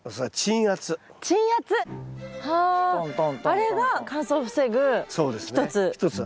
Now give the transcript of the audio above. あれが乾燥を防ぐ一つ？